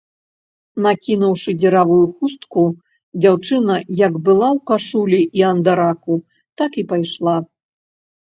Накінуўшы дзіравую хустку, дзяўчына, як была ў кашулі і андараку, так і пайшла.